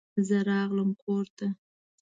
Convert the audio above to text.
زه راغلم کور ته.